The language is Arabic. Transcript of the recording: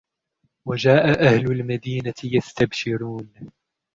وَجَاءَ أَهْلُ الْمَدِينَةِ يَسْتَبْشِرُونَ